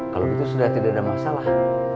kalau itu sudah tidak ada masalah